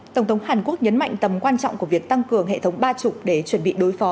tổng thống hàn quốc nhấn mạnh tầm quan trọng của việc tăng cường hệ thống ba mươi để chuẩn bị đối phó